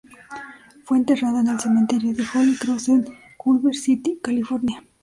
Fue enterrada en el Cementerio de Holy Cross en Culver City, California.